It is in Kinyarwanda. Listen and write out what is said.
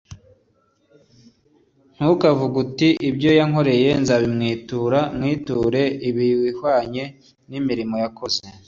ntukavuge uti “ibyo yankoreye nzabimwitura, mwiture ibihwanye n’imirimo yakoze”